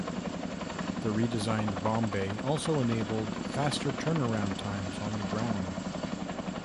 The redesigned bomb bay also enabled faster turnaround times on the ground.